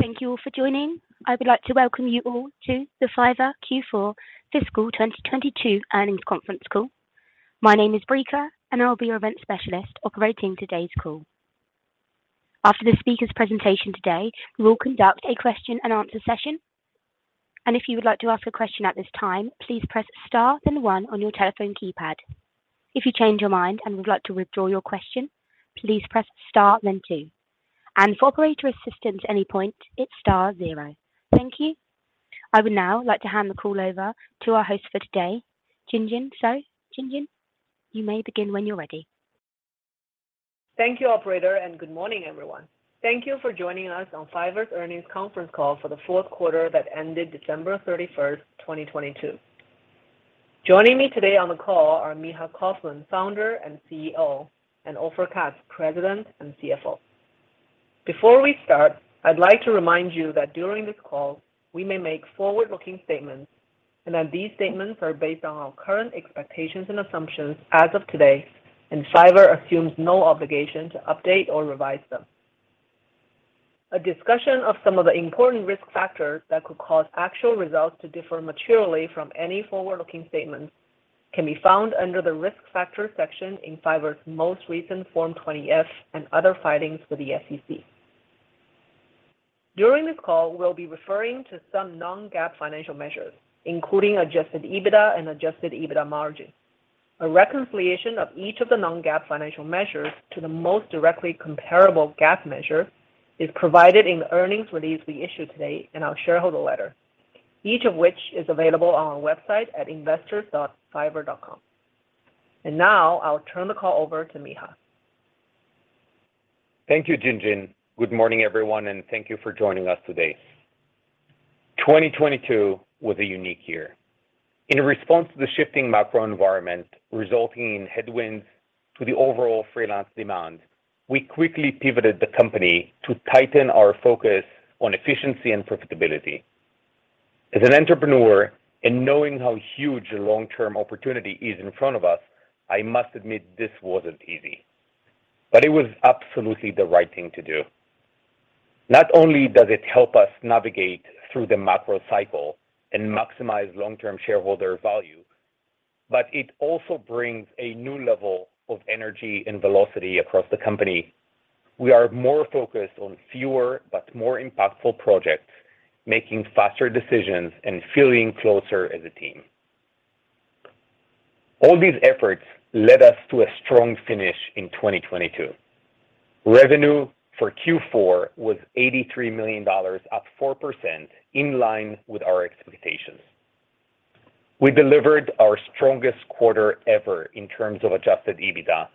Thank you all for joining. I would like to welcome you all to the Fiverr Q4 fiscal 2022 Earnings Conference Call. My name is Brica. I'll be your event specialist operating today's call. After the speaker's presentation today, we will conduct a question and answer session. If you would like to ask a question at this time, please press star 1 on your telephone keypad. If you change your mind and would like to withdraw your question, please press star 2. For operator assistance at any point, it's star 0. Thank you. I would now like to hand the call over to our host for today, Jinjin. Jinjin, you may begin when you're ready. Thank you, operator, and good morning, everyone. Thank you for joining us on Fiverr's earnings conference call for the fourth quarter that ended December 31st, 2022. Joining me today on the call are Micha Kaufman, founder and CEO, and Ofer Katz, president and CFO. Before we start, I'd like to remind you that during this call, we may make forward-looking statements, and that these statements are based on our current expectations and assumptions as of today, and Fiverr assumes no obligation to update or revise them. A discussion of some of the important risk factors that could cause actual results to differ materially from any forward-looking statements can be found under the Risk Factors section in Fiverr's most recent Form 20-F and other filings with the SEC. During this call, we'll be referring to some non-GAAP financial measures, including Adjusted EBITDA and Adjusted EBITDA margin. A reconciliation of each of the non-GAAP financial measures to the most directly comparable GAAP measure is provided in the earnings release we issued today in our shareholder letter, each of which is available on our website at investors.fiverr.com. Now I'll turn the call over to Micha. Thank you, Jinjin. Good morning, everyone. Thank you for joining us today. 2022 was a unique year. In response to the shifting macro environment resulting in headwinds to the overall freelance demand, we quickly pivoted the company to tighten our focus on efficiency and profitability. As an entrepreneur and knowing how huge a long-term opportunity is in front of us, I must admit this wasn't easy, but it was absolutely the right thing to do. Not only does it help us navigate through the macro cycle and maximize long-term shareholder value, but it also brings a new level of energy and velocity across the company. We are more focused on fewer but more impactful projects, making faster decisions and feeling closer as a team. All these efforts led us to a strong finish in 2022. Revenue for Q4 was $83 million, up 4% in line with our expectations. We delivered our strongest quarter ever in terms of Adjusted EBITDA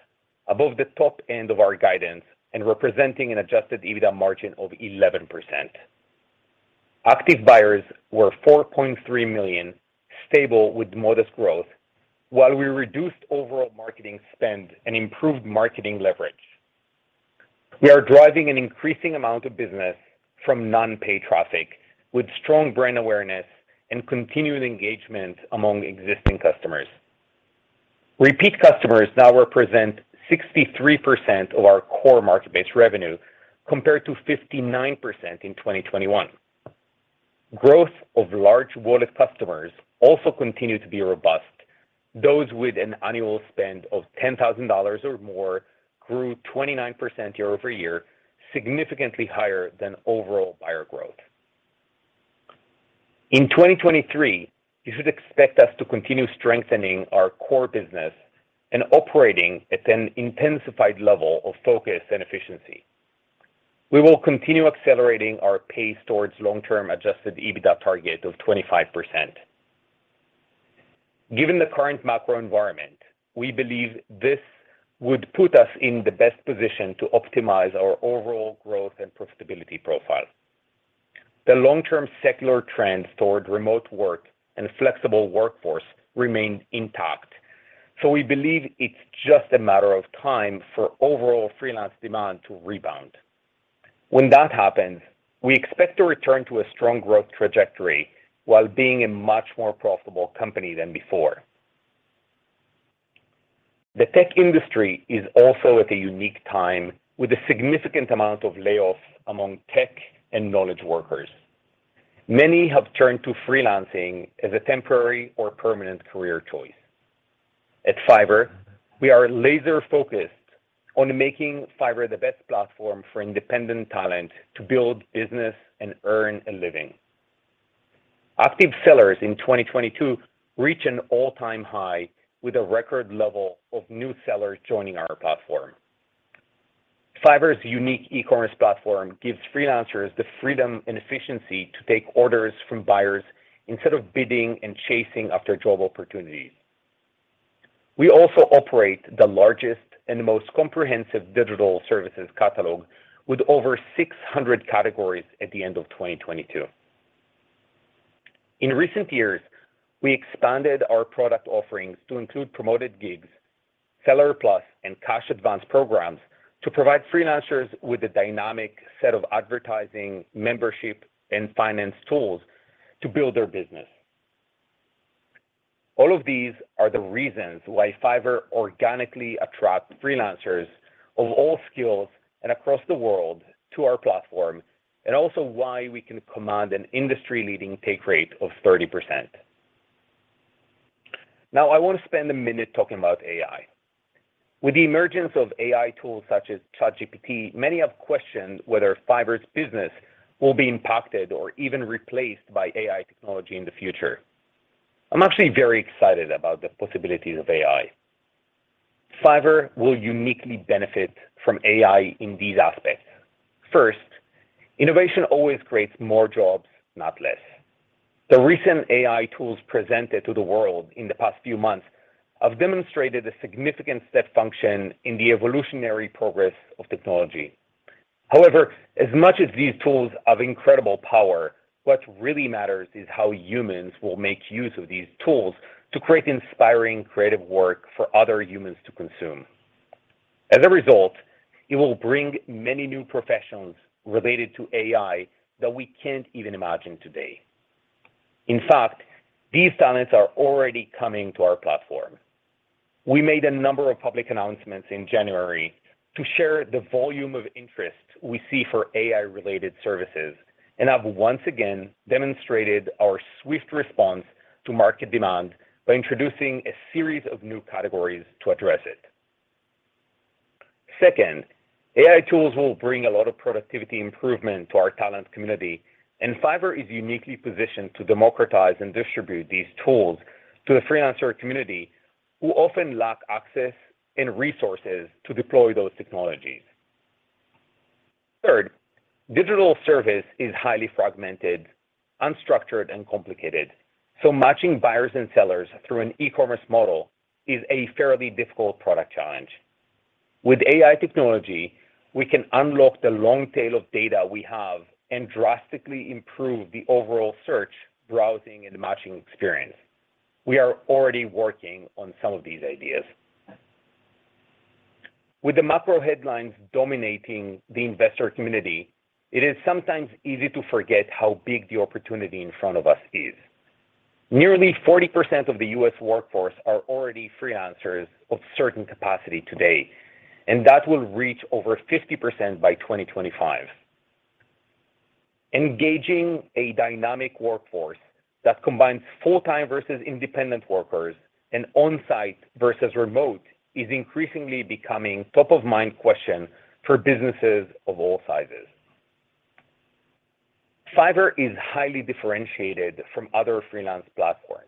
above the top end of our guidance and representing an Adjusted EBITDA margin of 11%. Active buyers were 4.3 million, stable with modest growth, while we reduced overall marketing spend and improved marketing leverage. We are driving an increasing amount of business from non-paid traffic with strong brand awareness and continued engagement among existing customers. Repeat customers now represent 63% of our core marketplace revenue, compared to 59% in 2021. Growth of large wallet customers also continued to be robust. Those with an annual spend of $10,000 or more grew 29% year-over-year, significantly higher than overall buyer growth. In 2023, you should expect us to continue strengthening our core business and operating at an intensified level of focus and efficiency. We will continue accelerating our pace towards long-term Adjusted EBITDA target of 25%. Given the current macro environment, we believe this would put us in the best position to optimize our overall growth and profitability profile. The long-term secular trends toward remote work and flexible workforce remain intact. We believe it's just a matter of time for overall freelance demand to rebound. When that happens, we expect to return to a strong growth trajectory while being a much more profitable company than before. The tech industry is also at a unique time with a significant amount of layoffs among tech and knowledge workers. Many have turned to freelancing as a temporary or permanent career choice. At Fiverr, we are laser focused on making Fiverr the best platform for independent talent to build business and earn a living. Active sellers in 2022 reach an all-time high with a record level of new sellers joining our platform. Fiverr's unique e-commerce platform gives freelancers the freedom and efficiency to take orders from buyers instead of bidding and chasing after job opportunities. We also operate the largest and most comprehensive digital services catalog with over 600 categories at the end of 2022. In recent years, we expanded our product offerings to include Promoted Gigs, Seller Plus, and Cash Advance programs to provide freelancers with a dynamic set of advertising, membership, and finance tools to build their business. All of these are the reasons why Fiverr organically attracts freelancers of all skills and across the world to our platform, and also why we can command an industry-leading take rate of 30%. Now, I want to spend a minute talking about AI. With the emergence of AI tools such as ChatGPT, many have questioned whether Fiverr's business will be impacted or even replaced by AI technology in the future. I'm actually very excited about the possibilities of AI. Fiverr will uniquely benefit from AI in these aspects. First, innovation always creates more jobs, not less. The recent AI tools presented to the world in the past few months have demonstrated a significant step function in the evolutionary progress of technology. However, as much as these tools have incredible power, what really matters is how humans will make use of these tools to create inspiring, creative work for other humans to consume. As a result, it will bring many new professions related to AI that we can't even imagine today. In fact, these talents are already coming to our platform. We made a number of public announcements in January to share the volume of interest we see for AI-related services, and have once again demonstrated our swift response to market demand by introducing a series of new categories to address it. AI tools will bring a lot of productivity improvement to our talent community, and Fiverr is uniquely positioned to democratize and distribute these tools to the freelancer community who often lack access and resources to deploy those technologies. Digital service is highly fragmented, unstructured, and complicated, so matching buyers and sellers through an e-commerce model is a fairly difficult product challenge. With AI technology, we can unlock the long tail of data we have and drastically improve the overall search, browsing, and matching experience. We are already working on some of these ideas. With the macro headlines dominating the investor community, it is sometimes easy to forget how big the opportunity in front of us is. Nearly 40% of the U.S. Workforce are already freelancers of certain capacity today, and that will reach over 50% by 2025. Engaging a dynamic workforce that combines full-time versus independent workers and on-site versus remote is increasingly becoming top-of-mind question for businesses of all sizes. Fiverr is highly differentiated from other freelance platforms.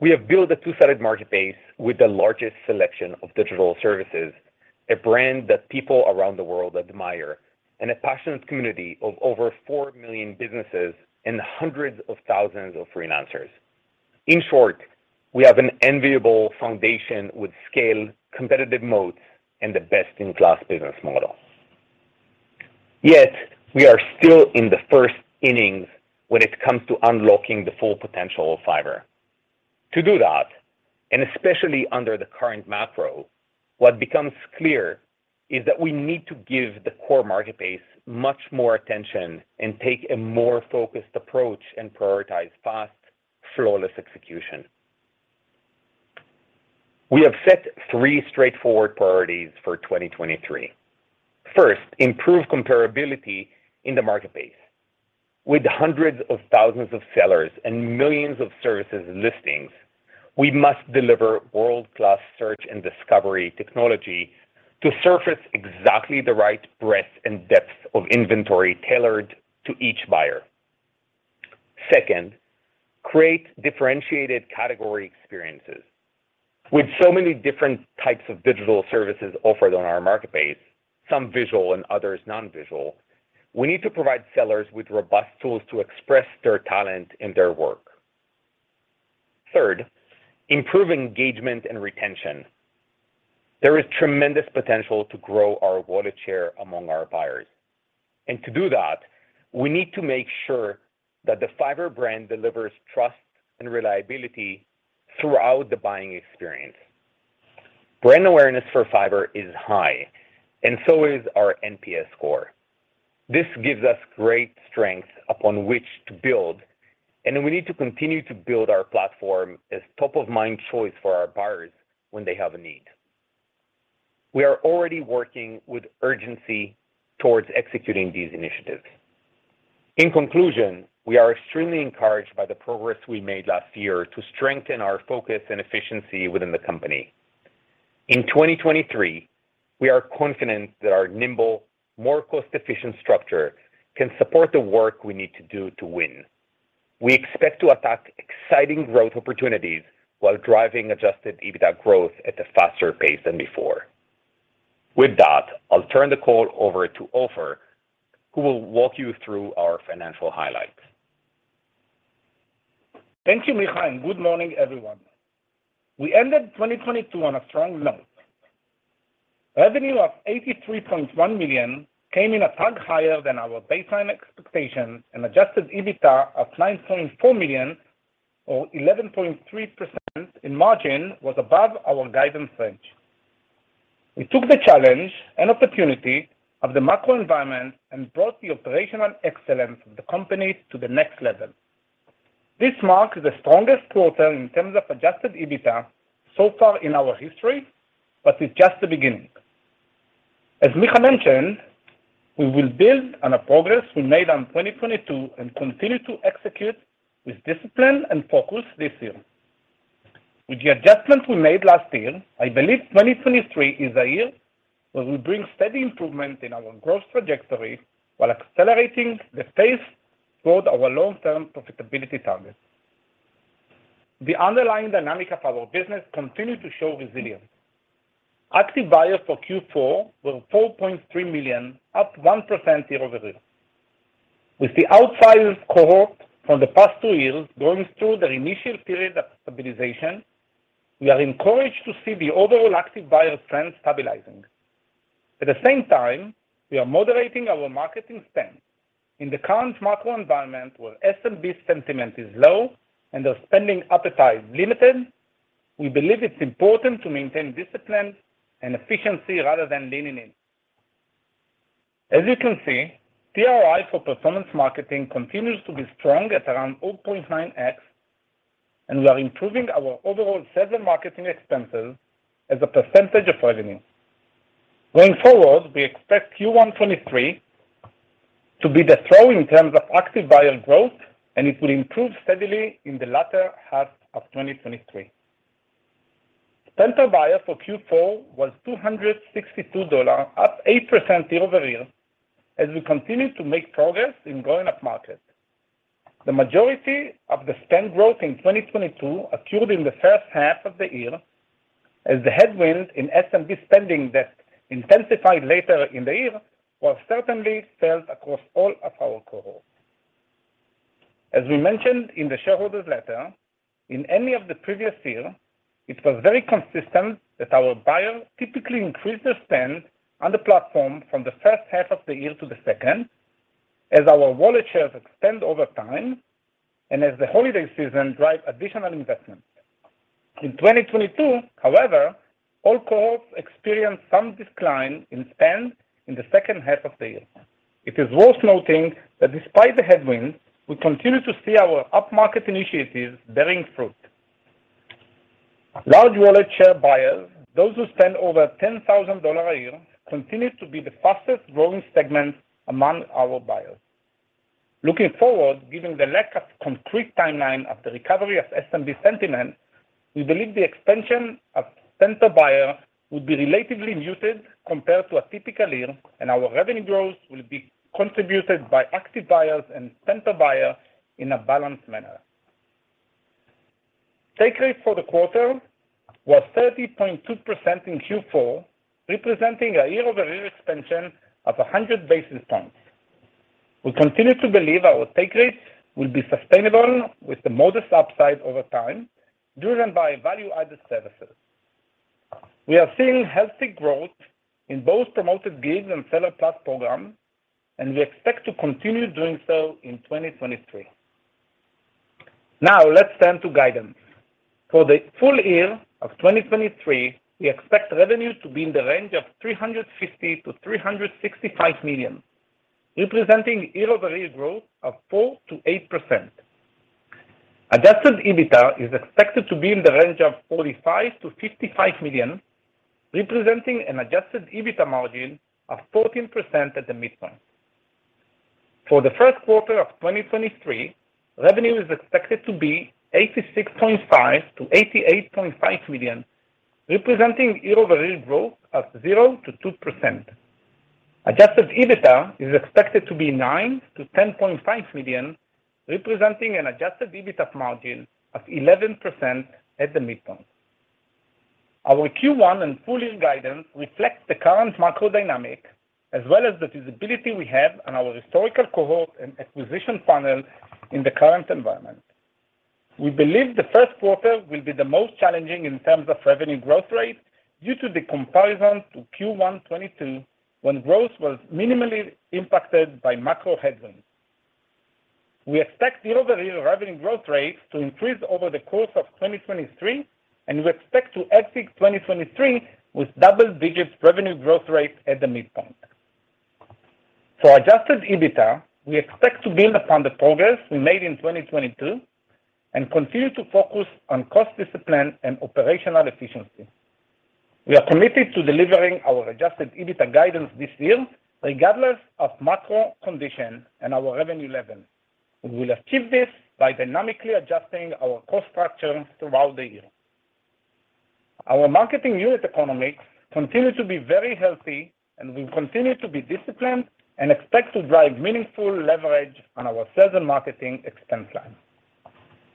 We have built a two-sided marketplace with the largest selection of digital services, a brand that people around the world admire, and a passionate community of over 4 million businesses and hundreds of thousands of freelancers. In short, we have an enviable foundation with scale, competitive moat, and the best-in-class business model. Yet, we are still in the first innings when it comes to unlocking the full potential of Fiverr. To do that, and especially under the current macro, what becomes clear is that we need to give the core marketplace much more attention and take a more focused approach and prioritize fast, flawless execution. We have set three straightforward priorities for 2023. First, improve comparability in the marketplace. With hundreds of thousands of sellers and millions of services and listings, we must deliver world-class search and discovery technology to surface exactly the right breadth and depth of inventory tailored to each buyer. Second, create differentiated category experiences. With so many different types of digital services offered on our marketplace, some visual and others non-visual, we need to provide sellers with robust tools to express their talent and their work. Third, improve engagement and retention. There is tremendous potential to grow our wallet share among our buyers, and to do that, we need to make sure that the Fiverr brand delivers trust and reliability throughout the buying experience. Brand awareness for Fiverr is high, and so is our NPS score. This gives us great strength upon which to build, and we need to continue to build our platform as top-of-mind choice for our buyers when they have a need. We are already working with urgency towards executing these initiatives. In conclusion, we are extremely encouraged by the progress we made last year to strengthen our focus and efficiency within the company. In 2023, we are confident that our nimble, more cost-efficient structure can support the work we need to do to win. We expect to attack exciting growth opportunities while driving Adjusted EBITDA growth at a faster pace than before. With that, I'll turn the call over to Ofer, who will walk you through our financial highlights. Thank you, Micha. Good morning, everyone. We ended 2022 on a strong note. Revenue of $83.1 million came in a tug higher than our baseline expectations, and Adjusted EBITDA of $9.4 million or 11.3% in margin was above our guidance range. We took the challenge and opportunity of the macro environment and brought the operational excellence of the company to the next level. This marks the strongest quarter in terms of Adjusted EBITDA so far in our history, but it's just the beginning. As Micha mentioned, we will build on a progress we made on 2022, and continue to execute with discipline and focus this year. With the adjustment we made last year, I believe 2023 is a year where we bring steady improvement in our growth trajectory while accelerating the pace towards our long-term profitability targets. The underlying dynamic of our business continued to show resilience. Active buyers for Q4 were $4.3 million, up 1% year-over-year. With the outsized cohort from the past two years going through their initial period of stabilization, we are encouraged to see the overall active buyer trend stabilizing. At the same time, we are moderating our marketing spend. In the current macro environment, where SMB sentiment is low and their spending appetite limited, we believe it's important to maintain discipline and efficiency rather than leaning in. As you can see, tROI for performance marketing continues to be strong at around 0.9x, and we are improving our overall sales and marketing expenses as a percentage of revenue. Going forward, we expect Q1 2023 to be the trough in terms of active buyer growth. It will improve steadily in the latter half of 2023. Spend per buyer for Q4 was $262, up 8% year-over-year, as we continue to make progress in growing upmarket. The majority of the spend growth in 2022 occurred in the first half of the year, the headwinds in SMB spending that intensified later in the year were certainly felt across all of our cohorts. As we mentioned in the shareholders letter, in any of the previous year, it was very consistent that our buyers typically increase their spend on the platform from the first half of the year to the second, as our wallet shares extend over time and as the holiday season drive additional investments. In 2022, however, all cohorts experienced some decline in spend in the second half of the year. It is worth noting that despite the headwinds, we continue to see our up-market initiatives bearing fruit. Large wallet share buyers, those who spend over $10,000 a year, continue to be the fastest-growing segment among our buyers. Looking forward, given the lack of concrete timeline of the recovery of SMB sentiment, we believe the expansion of spender buyer will be relatively muted compared to a typical year. Our revenue growth will be contributed by active buyers and spender buyers in a balanced manner. Take rate for the quarter was 30.2% in Q4, representing a year-over-year expansion of 100 basis points. We continue to believe our take rate will be sustainable with the modest upside over time, driven by value-added services. We are seeing healthy growth in both Promoted Gigs and Seller Plus program, we expect to continue doing so in 2023. Let's turn to guidance. For the full year of 2023, we expect revenue to be in the range of $350 million-$365 million, representing year-over-year growth of 4%-8%. Adjusted EBITDA is expected to be in the range of $45 million-$55 million, representing an Adjusted EBITDA margin of 14% at the midpoint. For the first quarter of 2023, revenue is expected to be $86.5 million-$88.5 million, representing year-over-year growth of 0%-2%. Adjusted EBITDA is expected to be $9 million-$10.5 million, representing an Adjusted EBITDA margin of 11% at the midpoint. Our Q1 and full year guidance reflects the current macro dynamic as well as the visibility we have on our historical cohort and acquisition funnel in the current environment. We believe the first quarter will be the most challenging in terms of revenue growth rate due to the comparison to Q1 2022, when growth was minimally impacted by macro headwinds. We expect year-over-year revenue growth rate to increase over the course of 2023, and we expect to exit 2023 with double-digit revenue growth rate at the midpoint. For Adjusted EBITDA, we expect to build upon the progress we made in 2022 and continue to focus on cost discipline and operational efficiency. We are committed to delivering our Adjusted EBITDA guidance this year regardless of macro condition and our revenue level. We will achieve this by dynamically adjusting our cost structure throughout the year. Our marketing unit economics continue to be very healthy and will continue to be disciplined and expect to drive meaningful leverage on our sales and marketing expense line.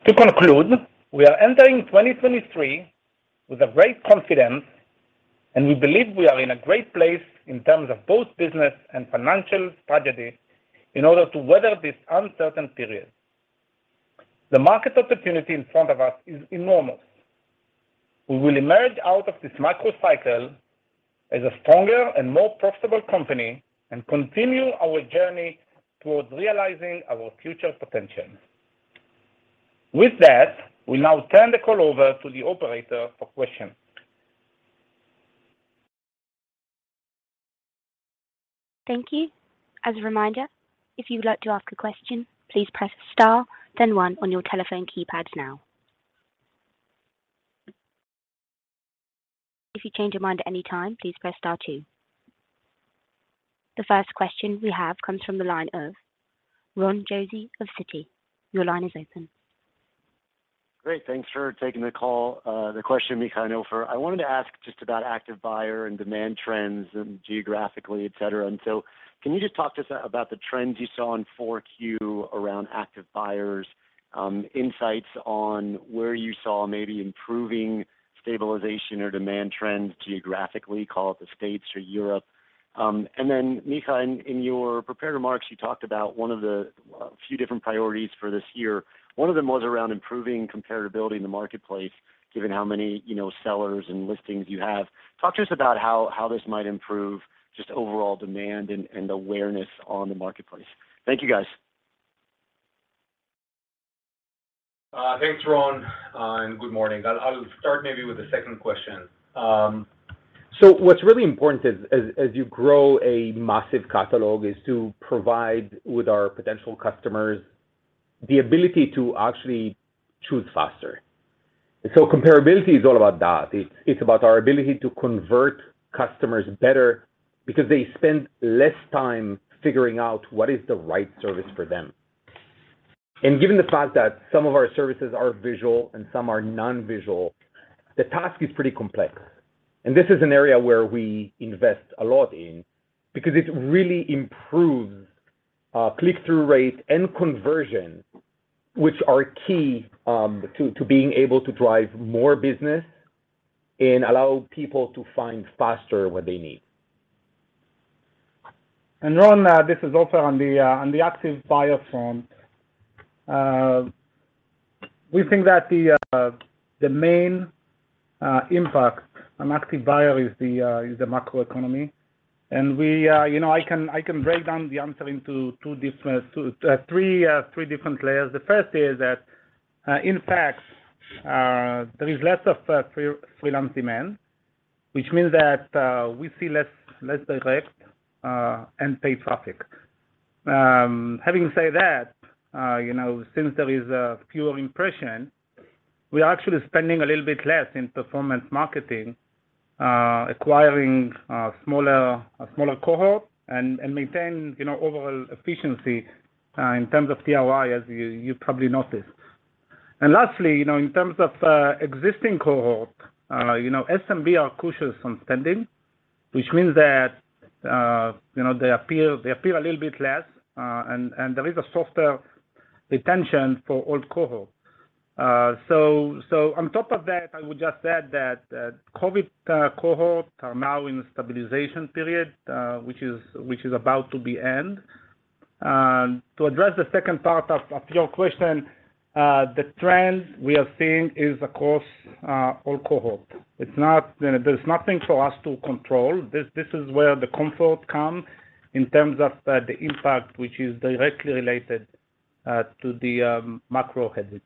To conclude, we are entering 2023 with a great confidence, and we believe we are in a great place in terms of both business and financial strategy in order to weather this uncertain period. The market opportunity in front of us is enormous. We will emerge out of this macro cycle as a stronger and more profitable company and continue our journey towards realizing our future potential. With that, we'll now turn the call over to the operator for questions. Thank you. As a reminder, if you'd like to ask a question, please press star then one on your telephone keypad now. If you change your mind at any time, please press star two. The first question we have comes from the line of Ron Josey of Citi. Your line is open. Great. Thanks for taking the call. The question, Micha, Ofer, I wanted to ask just about active buyer and demand trends and geographically, et cetera. Can you just talk to us about the trends you saw in 4Q around active buyers, insights on where you saw maybe improving stabilization or demand trends geographically, call it the States or Europe. Micha, in your prepared remarks, you talked about one of the few different priorities for this year. One of them was around improving comparability in the marketplace, given how many, you know, sellers and listings you have. Talk to us about how this might improve just overall demand and awareness on the marketplace. Thank you, guys. Thanks, Ron. Good morning. I'll start maybe with the second question. What's really important as you grow a massive catalog is to provide with our potential customers the ability to actually choose faster. Comparability is all about that. It's about our ability to convert customers better because they spend less time figuring out what is the right service for them. Given the fact that some of our services are visual and some are non-visual, the task is pretty complex. This is an area where we invest a lot in because it really improves click-through rate and conversion, which are key to being able to drive more business and allow people to find faster what they need. Ron Josey, this is Ofer Katz on the active buyer front. We think that the main impact on active buyer is the macroeconomy. We, you know, I can break down the answer into three different layers. The first is that, in fact, there is less of freelance demand, which means that we see less direct and paid traffic. Having said that, you know, since there is a fewer impression, we are actually spending a little bit less in performance marketing, acquiring a smaller cohort and maintain, you know, overall efficiency in terms of ROI, as you probably noticed. Lastly, you know, in terms of existing cohort, you know, SMB are cautious on spending, which means that, you know, they appear a little bit less, and there is a softer retention for old cohort. On top of that, I would just add that COVID cohort are now in the stabilization period, which is about to be end. To address the second part of your question, the trend we are seeing is across all cohort. There's nothing for us to control. This is where the comfort come in terms of the impact which is directly related to the macro headed.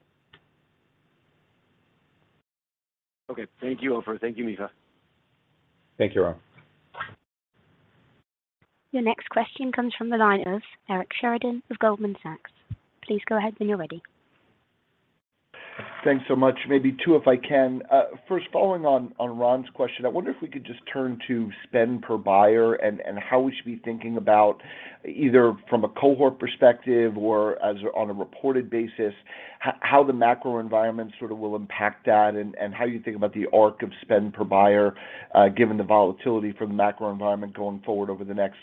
Okay. Thank you, Ofer. Thank you, Micha. Thank you, Ron. Your next question comes from the line of Eric Sheridan with Goldman Sachs. Please go ahead when you're ready. Thanks so much. Maybe two, if I can. First following on Ron's question, I wonder if we could just turn to spend per buyer and how we should be thinking about either from a cohort perspective or as on a reported basis, how the macro environment sort of will impact that and how you think about the arc of spend per buyer, given the volatility for the macro environment going forward over the next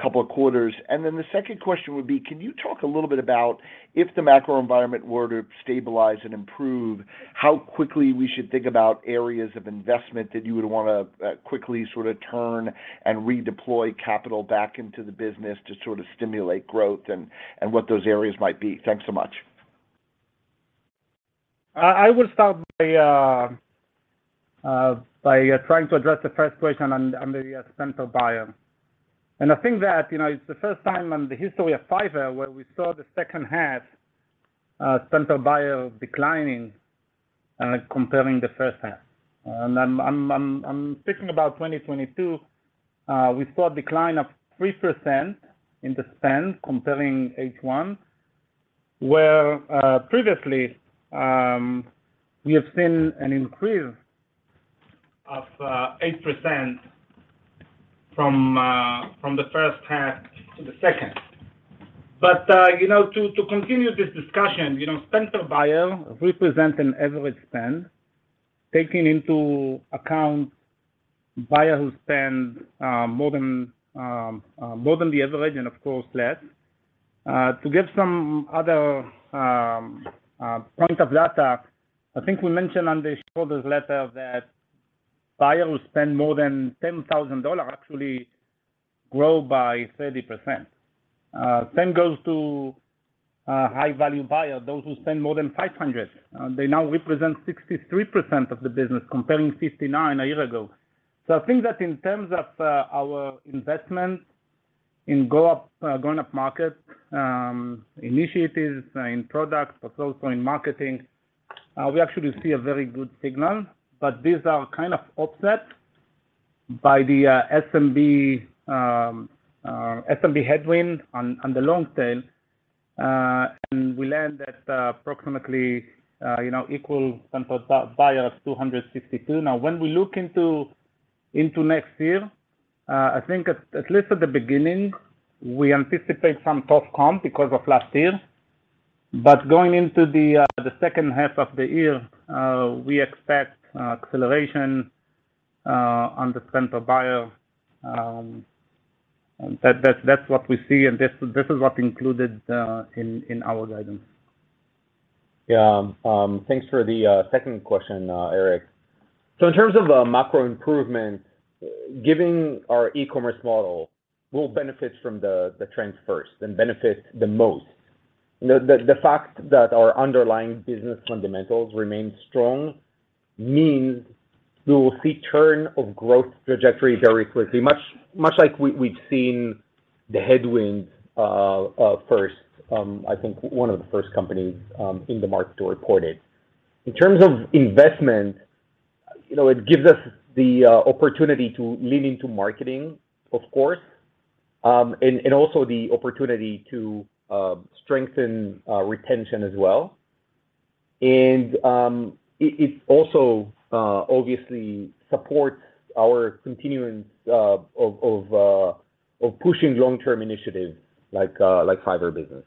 couple of quarters. The second question would be, can you talk a little bit about if the macro environment were to stabilize and improve, how quickly we should think about areas of investment that you would wanna quickly sorta turn and redeploy capital back into the business to sort of stimulate growth and what those areas might be? Thanks so much. I will start by trying to address the first question on the spend per buyer. I think that, you know, it's the first time in the history of Fiverr where we saw the second half spend per buyer declining comparing the first half. I'm speaking about 2022, we saw a decline of 3% in the spend comparing H1, where previously we have seen an increase of 8% from the first half to the second. You know, to continue this discussion, you know, spend per buyer represent an average spend, taking into account buyer who spend more than the average and of course less. To give some other point of data, I think we mentioned on the shareholder's letter that buyers who spend more than $10,000 actually grow by 30%. Same goes to high value buyer, those who spend more than $500. They now represent 63% of the business comparing 59% a year ago. I think that in terms of our investment in go up, going up-market initiatives in products, but also in marketing, we actually see a very good signal, but these are kind of offset by the SMB SMB headwind on the long tail. And we land at approximately, you know, equal central buyer of $262. When we look into next year, I think at least at the beginning, we anticipate some tough comp because of last year. Going into the second half of the year, we expect acceleration on the central buyer, and that's what we see, and this is what included in our guidance. Yeah. Thanks for the second question, Eric. In terms of a macro improvement, giving our e-commerce model will benefit from the trends first, then benefit the most. You know, the fact that our underlying business fundamentals remain strong means we will see turn of growth trajectory very quickly, much like we've seen the headwinds first, I think one of the first companies in the market to report it. In terms of investment, you know, it gives us the opportunity to lean into marketing, of course, and also the opportunity to strengthen retention as well. It also obviously supports our continuance of pushing long-term initiatives like Fiverr Business.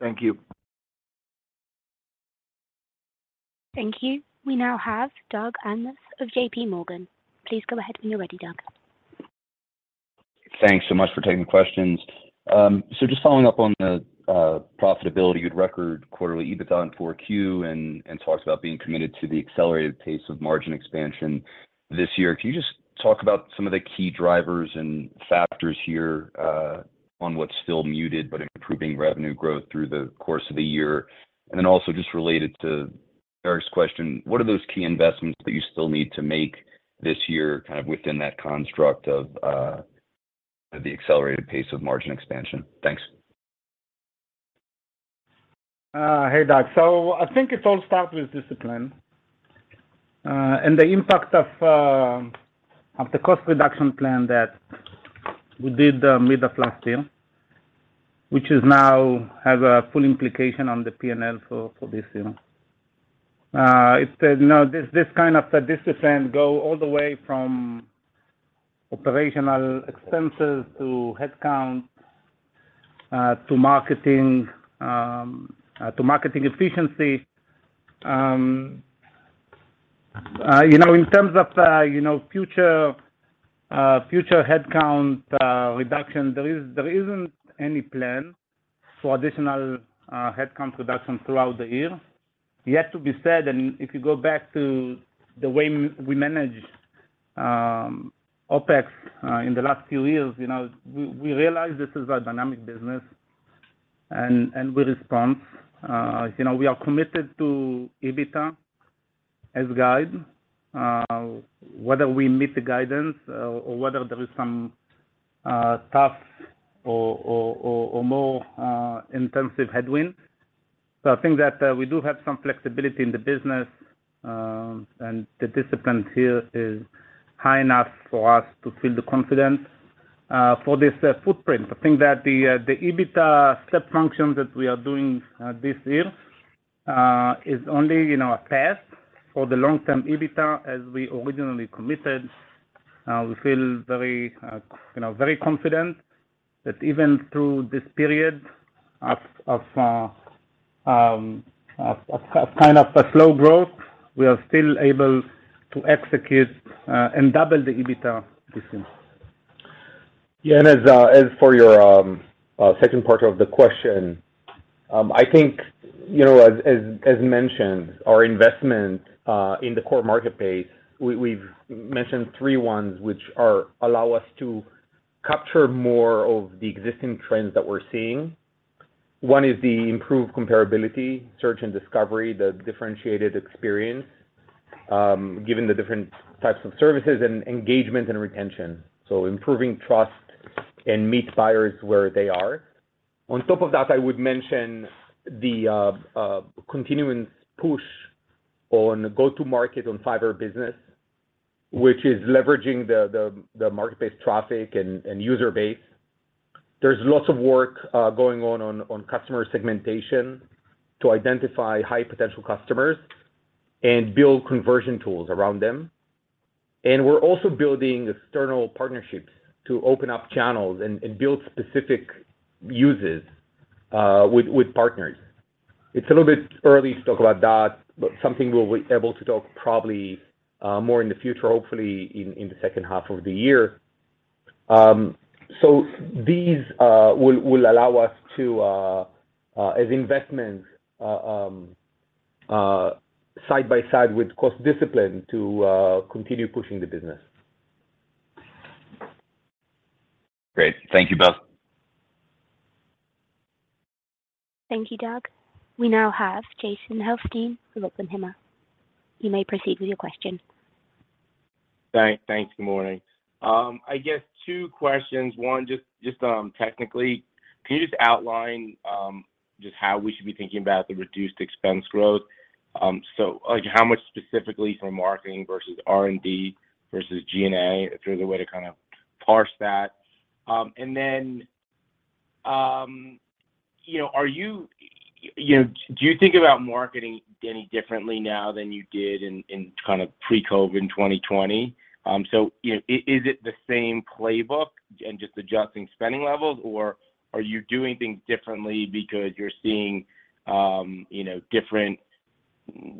Thank you. Thank you. We now have Douglas Anmuth of JPMorgan. Please go ahead when you're ready, Doug. Thanks so much for taking the questions. Just following up on the profitability you'd record quarterly EBITDA in Q4 and talked about being committed to the accelerated pace of margin expansion this year. Can you just talk about some of the key drivers and factors here on what's still muted but improving revenue growth through the course of the year? Also just related to Eric's question, what are those key investments that you still need to make this year, kind of within that construct of the accelerated pace of margin expansion? Thanks. Hey, Doug. I think it all start with discipline, and the impact of the cost reduction plan that we did mid of last year, which is now have a full implication on the PNL for this year. It's the, you know this kind of discipline go all the way from operational expenses to headcount, to marketing, to marketing efficiency. You know, in terms of, you know, future headcount reduction, there isn't any plan for additional headcount reduction throughout the year. Yet to be said, if you go back to the way we managed OPEX in the last few years, you know, we realize this is a dynamic business and we respond. You know, we are committed to EBITDA as guide. Whether we meet the guidance or whether there is some tough or more intensive headwind. I think that we do have some flexibility in the business, and the discipline here is high enough for us to feel the confidence for this footprint. I think that the EBITDA step function that we are doing this year is only, you know, a test for the long-term EBITDA as we originally committed. We feel very, you know, very confident that even through this period of kind of a slow growth, we are still able to execute and double the EBITDA this year. Yeah. As for your second part of the question, I think, you know, as mentioned, our investment in the core market base, we've mentioned three ones which allow us to capture more of the existing trends that we're seeing. One is the improved comparability, search and discovery, the differentiated experience, given the different types of services and engagement and retention. Improving trust and meet buyers where they are. On top of that, I would mention the continuing push on go-to-market on Fiverr Business, which is leveraging the market-based traffic and user base. There's lots of work going on customer segmentation to identify high potential customers and build conversion tools around them. We're also building external partnerships to open up channels and build specific uses with partners. It's a little bit early to talk about that, but something we'll be able to talk probably more in the future, hopefully in the second half of the year. These will allow us to as investments side by side with cost discipline to continue pushing the business. Great. Thank you both. Thank you, Doug. We now have Jason Helfstein with Oppenheimer. You may proceed with your question. Thanks. Thanks. Good morning. I guess two questions. One, technically, can you just outline just how we should be thinking about the reduced expense growth? Like, how much specifically from marketing versus R&D versus G&A, if there's a way to kinda parse that. You know, do you think about marketing any differently now than you did in kind of pre-COVID in 2020? You know, is it the same playbook and just adjusting spending levels, or are you doing things differently because you're seeing, you know, different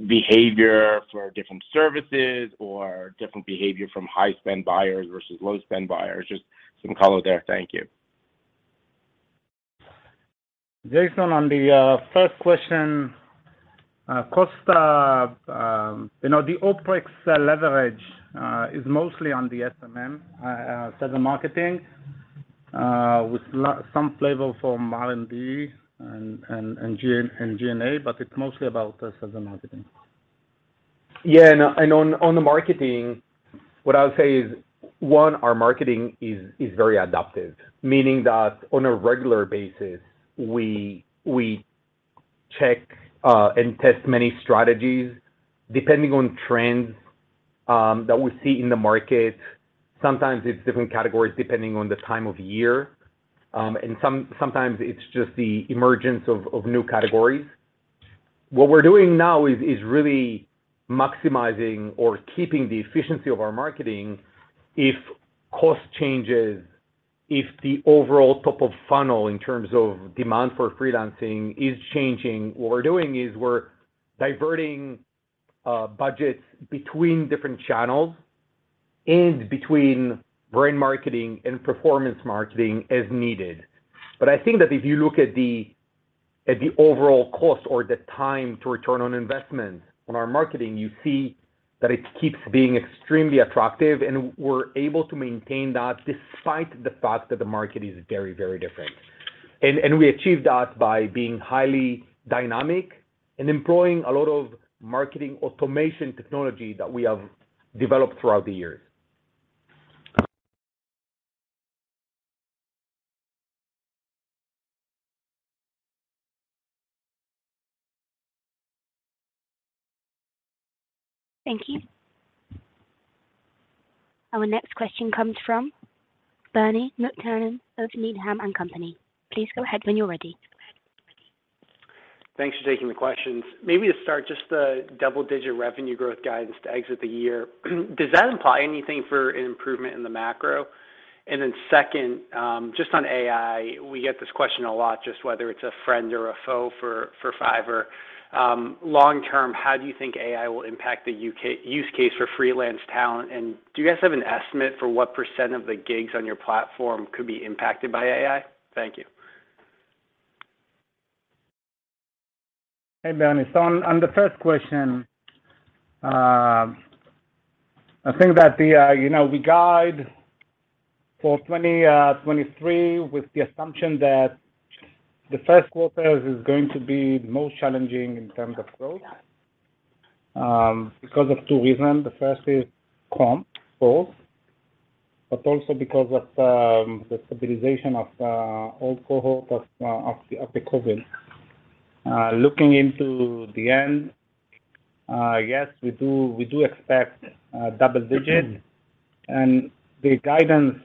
behavior for different services or different behavior from high-spend buyers versus low-spend buyers? Just some color there. Thank you. Jason, on the first question, cost of, you know, the OPEX leverage, is mostly on the SMM, sales and marketing, with some flavor from R&D and G&A, but it's mostly about sales and marketing. On the marketing, what I'll say is, one, our marketing is very adaptive, meaning that on a regular basis, we check and test many strategies depending on trends that we see in the market. Sometimes it's different categories, depending on the time of year, and sometimes it's just the emergence of new categories. What we're doing now is really maximizing or keeping the efficiency of our marketing. If cost changes, if the overall top of funnel in terms of demand for freelancing is changing, what we're doing is we're diverting budgets between different channels and between brand marketing and performance marketing as needed. I think that if you look at the overall cost or the time to return on investment on our marketing, you see that it keeps being extremely attractive, and we're able to maintain that despite the fact that the market is very, very different. We achieve that by being highly dynamic and employing a lot of marketing automation technology that we have developed throughout the years. Thank you. Our next question comes from Bernie McTernan of Needham & Company. Please go ahead when you're ready. Thanks for taking the questions. Maybe to start, just the double-digit revenue growth guidance to exit the year, does that imply anything for an improvement in the macro? Second, just on AI, we get this question a lot, just whether it's a friend or a foe for Fiverr. Long term, how do you think AI will impact the U.K. Use case for freelance talent? Do you guys have an estimate for what percent of the gigs on your platform could be impacted by AI? Thank you. Hey, Bernie. on the first question, I think that the, you know, we guide for 2023 with the assumption that the first quarters is going to be most challenging in terms of growth, because of 2 reasons. The first is comp, both, but also because of the stabilization of old cohort of the COVID. Looking into the end, yes, we do expect double digits. The guidance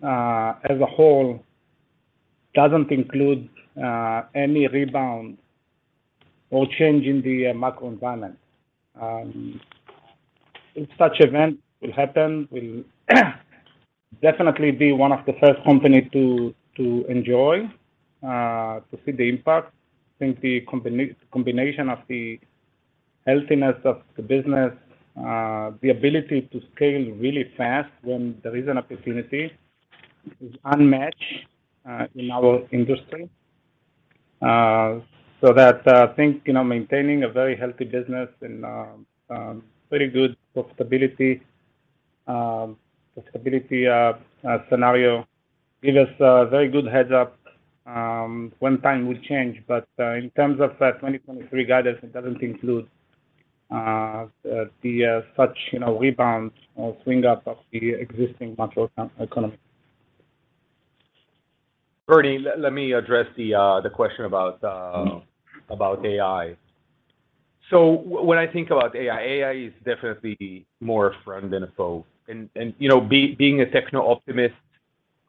as a whole doesn't include any rebound or change in the macro environment. If such event will happen, we'll definitely be one of the first company to enjoy to see the impact since the combination of the healthiness of the business, the ability to scale really fast when there is an opportunity is unmatched in our industry. That, I think, you know, maintaining a very healthy business and very good profitability scenario give us a very good heads-up when time will change. In terms of the 2023 guidance, it doesn't include the such, you know, rebounds or swing up of the existing macroeconomy. Bernie, let me address the question about AI. When I think about AI is definitely more a friend than a foe. You know, being a techno-optimist,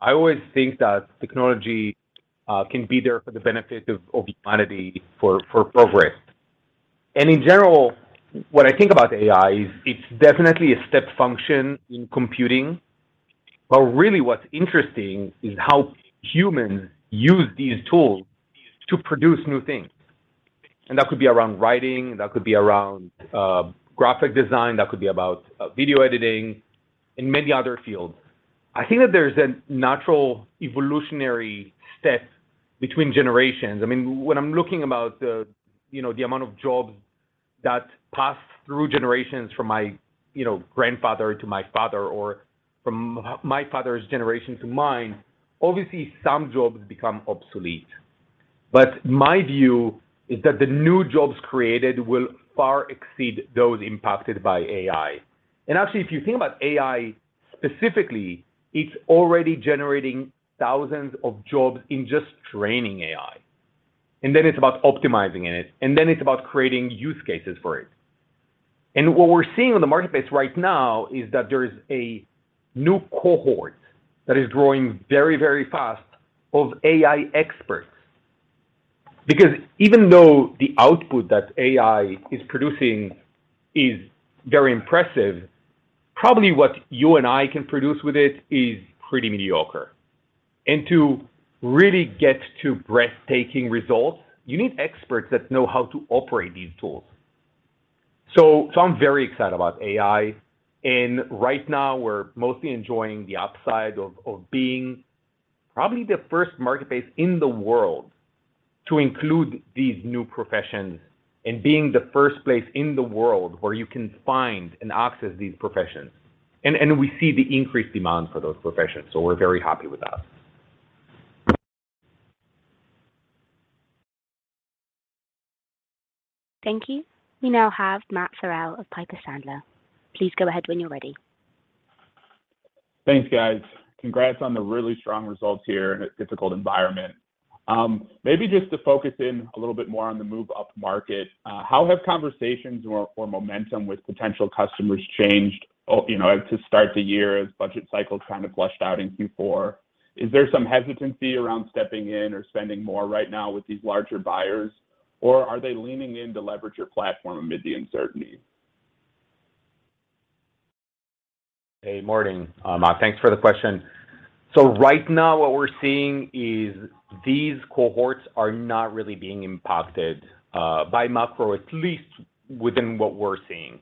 I always think that technology can be there for the benefit of humanity for progress. In general, when I think about AI is it's definitely a step function in computing. Really what's interesting is how humans use these tools to produce new things. That could be around writing, that could be around graphic design, that could be about video editing and many other fields. I think that there's a natural evolutionary step between generations. I mean, when I'm looking about the, you know, the amount of jobs that passed through generations from my, you know, grandfather to my father or from my father's generation to mine, obviously, some jobs become obsolete. My view is that the new jobs created will far exceed those impacted by AI. Actually, if you think about AI specifically, it's already generating thousands of jobs in just training AI. Then it's about optimizing it, and then it's about creating use cases for it. What we're seeing in the marketplace right now is that there is a new cohort that is growing very, very fast of AI experts. Even though the output that AI is producing is very impressive, probably what you and I can produce with it is pretty mediocre. To really get to breathtaking results, you need experts that know how to operate these tools. I'm very excited about AI. Right now we're mostly enjoying the upside of being probably the first marketplace in the world to include these new professions and being the first place in the world where you can find and access these professions. We see the increased demand for those professions, so we're very happy with that. Thank you. We now have Matt Farrell of Piper Sandler. Please go ahead when you're ready. Thanks, guys. Congrats on the really strong results here in a difficult environment. Maybe just to focus in a little bit more on the move upmarket, how have conversations or momentum with potential customers changed, you know, to start the year as budget cycle kind of flushed out in Q4? Is there some hesitancy around stepping in or spending more right now with these larger buyers, or are they leaning in to leverage your platform amid the uncertainty? Hey, morning. Thanks for the question. Right now what we're seeing is these cohorts are not really being impacted by macro, at least within what we're seeing.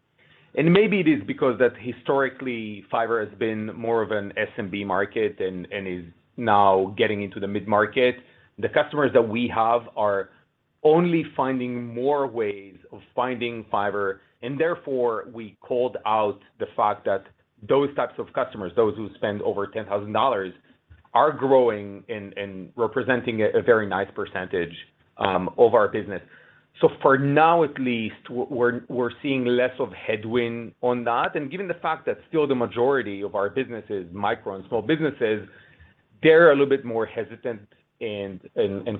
Maybe it is because that historically, Fiverr has been more of an SMB market and is now getting into the mid-market. The customers that we have are only finding more ways of finding Fiverr, and therefore, we called out the fact that those types of customers, those who spend over $10,000, are growing and representing a very nice percentage of our business. For now at least, we're seeing less of headwind on that. Given the fact that still the majority of our business is micro and small businesses, they're a little bit more hesitant and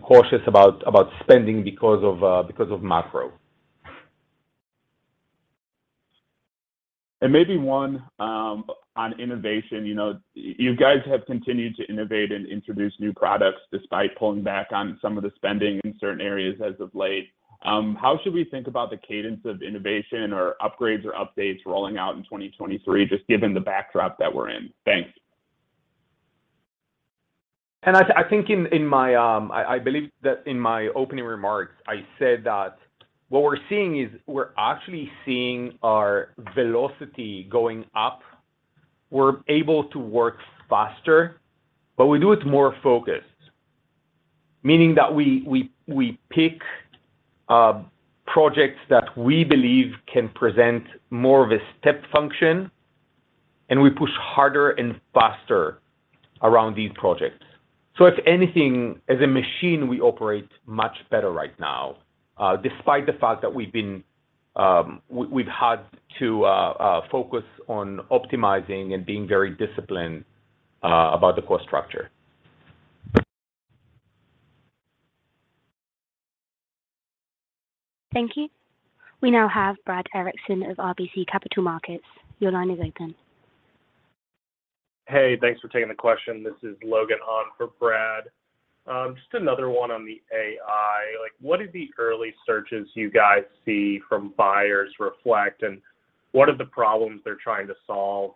cautious about spending because of because of macro. Maybe one, on innovation. You know, you guys have continued to innovate and introduce new products despite pulling back on some of the spending in certain areas as of late. How should we think about the cadence of innovation or upgrades or updates rolling out in 2023, just given the backdrop that we're in? Thanks. I believe that in my opening remarks, I said that what we're seeing is we're actually seeing our velocity going up. We're able to work faster, but we do it more focused. Meaning that we pick projects that we believe can present more of a step function, and we push harder and faster around these projects. If anything, as a machine, we operate much better right now, despite the fact that we've been we've had to focus on optimizing and being very disciplined about the cost structure. Thank you. We now have Brad Erickson of RBC Capital Markets. Your line is open. Hey, thanks for taking the question. This is Logan on for Brad. Just another one on the AI. Like, what did the early searches you guys see from buyers reflect, and what are the problems they're trying to solve?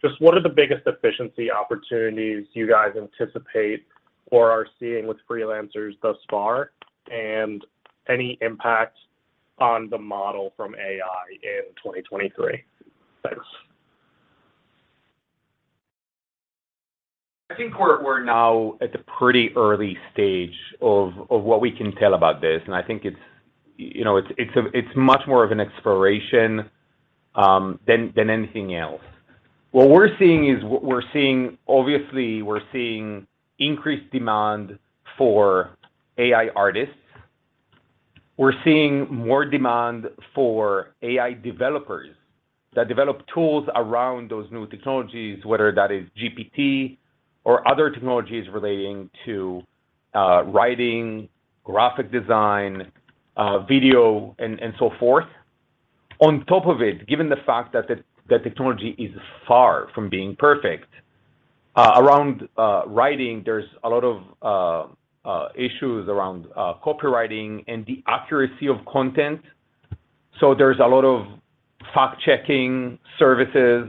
Just what are the biggest efficiency opportunities you guys anticipate or are seeing with freelancers thus far, and any impact on the model from AI in 2023? Thanks. I think we're now at the pretty early stage of what we can tell about this, and I think it's, you know, it's much more of an exploration than anything else. What we're seeing is obviously, increased demand for AI artists. We're seeing more demand for AI developers that develop tools around those new technologies, whether that is GPT or other technologies relating to writing, graphic design, video, and so forth. On top of it, given the fact that the technology is far from being perfect around writing, there's a lot of issues around copywriting and the accuracy of content. There's a lot of fact-checking services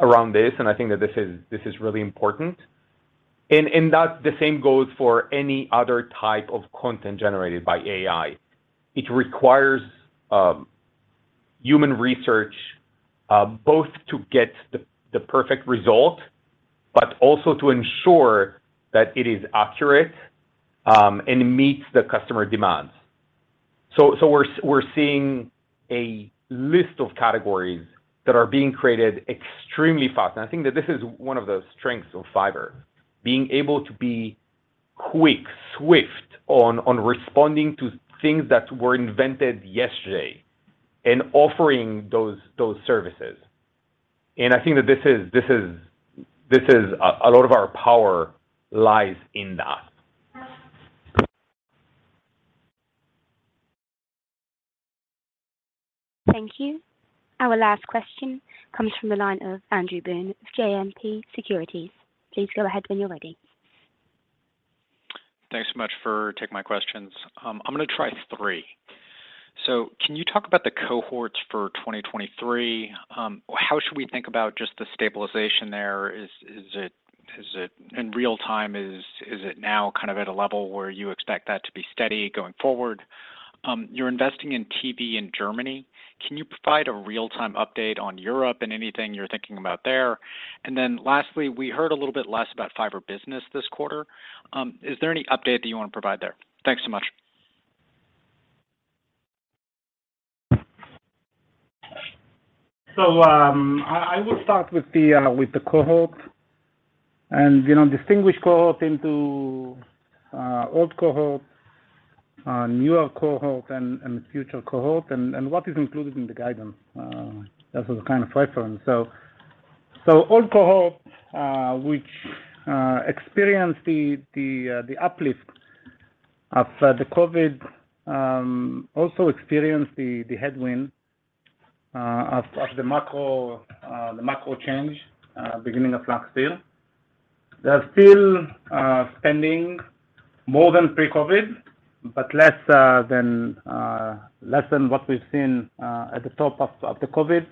around this, and I think that this is really important. The same goes for any other type of content generated by AI. It requires Human research, both to get the perfect result, but also to ensure that it is accurate and meets the customer demands. We're seeing a list of categories that are being created extremely fast. I think that this is one of the strengths of Fiverr, being able to be quick, swift on responding to things that were invented yesterday and offering those services. I think that this is a lot of our power lies in that. Thank you. Our last question comes from the line of Andrew Boone of JMP Securities. Please go ahead when you're ready. Thanks so much for taking my questions. I'm gonna try three. Can you talk about the cohorts for 2023? How should we think about just the stabilization there? Is it in real-time, is it now kind of at a level where you expect that to be steady going forward? You're investing in TV in Germany. Can you provide a real-time update on Europe and anything you're thinking about there? Lastly, we heard a little bit less about Fiverr Business this quarter. Is there any update that you wanna provide there? Thanks so much. I will start with the with the cohort. You know, distinguish cohort into old cohort, newer cohort and future cohort, and what is included in the guidance as a kind of reference. Old cohort which experienced the uplift of the COVID also experienced the headwind of the macro change beginning of last year. They're still spending more than pre-COVID, but less than what we've seen at the top of the COVID.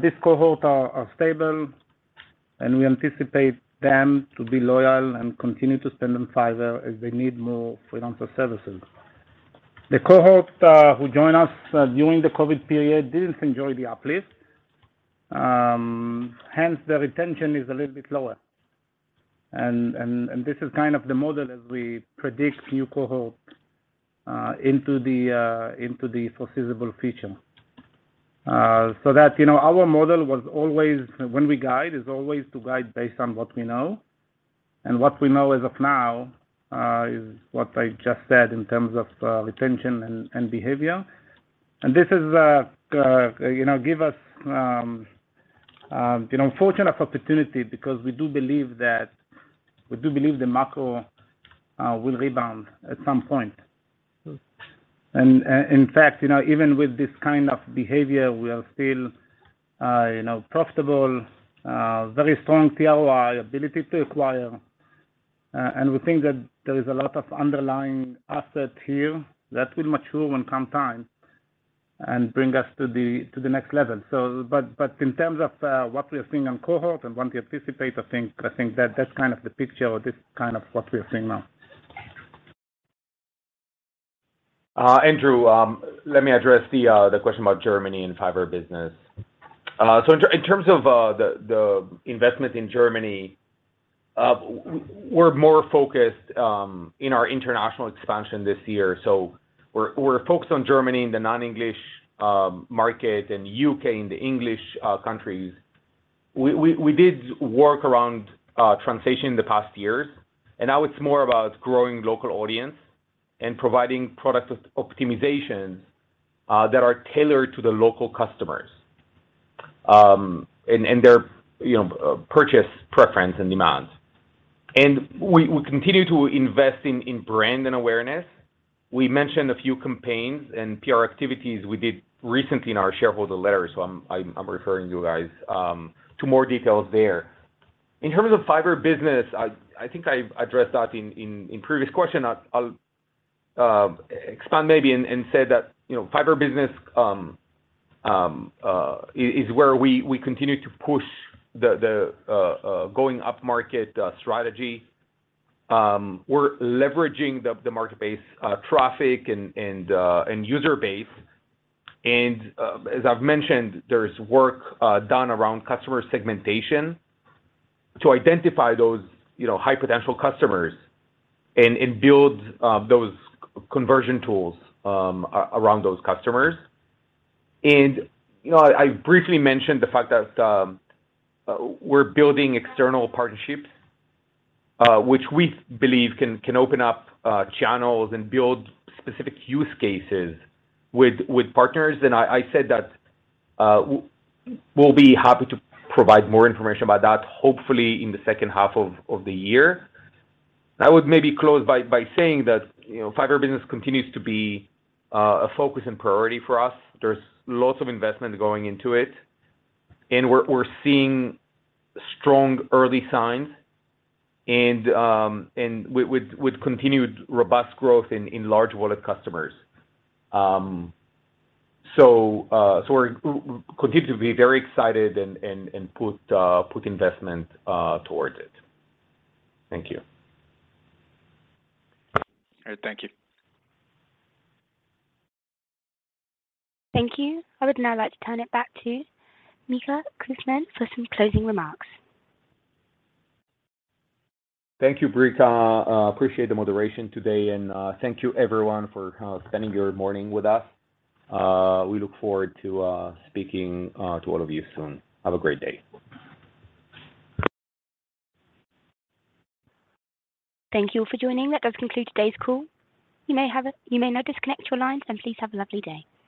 This cohort are stable, and we anticipate them to be loyal and continue to spend on Fiverr as they need more freelancer services. The cohort who joined us during the COVID period didn't enjoy the uplift, hence their retention is a little bit lower. This is kind of the model as we predict new cohort into the foreseeable future. That's, you know, our model is always to guide based on what we know. What we know as of now is what I just said in terms of retention and behavior. This is, you know, give us, you know, fortunate opportunity because we do believe the macro will rebound at some point. In fact, you know, even with this kind of behavior, we are still, you know, profitable, very strong CLV, ability to acquire, and we think that there is a lot of underlying asset here that will mature when come time and bring us to the next level. But in terms of, what we are seeing on cohort and what we anticipate, I think that that's kind of the picture or this kind of what we are seeing now. Andrew, let me address the question about Germany and Fiverr Business. In terms of the investment in Germany, we're more focused in our international expansion this year. We're focused on Germany in the non-English market and UK in the English countries. We did work around translation in the past years, and now it's more about growing local audience and providing product optimizations that are tailored to the local customers, and their, you know, purchase preference and demands. We continue to invest in brand and awareness. We mentioned a few campaigns and PR activities we did recently in our shareholder letter, so I'm referring you guys to more details there. In terms of Fiverr Business, I think I addressed that in previous question. I'll expand maybe and say that, you know, Fiverr Business is where we continue to push the going up-market strategy. We're leveraging the marketplace traffic and user base. As I've mentioned, there's work done around customer segmentation to identify those, you know, high-potential customers and build those conversion tools around those customers. You know, I briefly mentioned the fact that we're building external partnerships, which we believe can open up channels and build specific use cases with partners. I said that we'll be happy to provide more information about that, hopefully in the second half of the year. I would maybe close by saying that, you know, Fiverr Business continues to be a focus and priority for us. There's lots of investment going into it. We're seeing strong early signs and with continued robust growth in large wallet customers. We continue to be very excited and put investment towards it. Thank you. All right. Thank you. Thank you. I would now like to turn it back to Micha Kaufman for some closing remarks. Thank you, Brica. Appreciate the moderation today. Thank you everyone for spending your morning with us. We look forward to speaking to all of you soon. Have a great day. Thank you all for joining. That does conclude today's call. You may now disconnect your lines. Please have a lovely day.